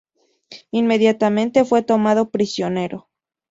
Inmediatamente fue tomado prisionero.